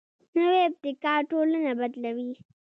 نوی ابتکار ټولنه بدلوي